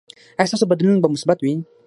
ایا ستاسو بدلون به مثبت وي؟